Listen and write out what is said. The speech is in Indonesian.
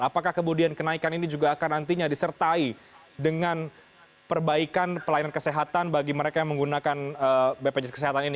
apakah kemudian kenaikan ini juga akan nantinya disertai dengan perbaikan pelayanan kesehatan bagi mereka yang menggunakan bpjs kesehatan ini